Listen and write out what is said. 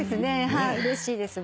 はいうれしいです。